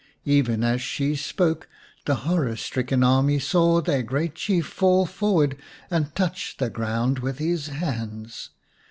Even as she spoke the horror stricken army saw their great Chief fall forward and touch the ground with his hands.